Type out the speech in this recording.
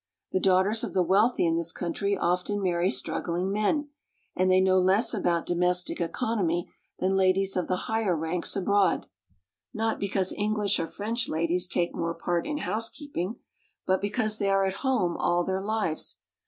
The daughters of the wealthy in this country often marry struggling men, and they know less about domestic economy than ladies of the higher ranks abroad; not because English or French ladies take more part in housekeeping, but because they are at home all their lives.